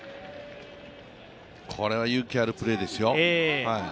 これは勇気あるプレーですよ。